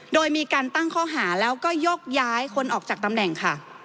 โดยมีการตั้งข้อหาแล้วก็ยกย้ายคนออกจากตำแหน่งค่ะ